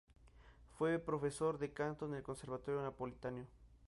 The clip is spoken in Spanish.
Fue profesor de canto en el conservatorio napolitano.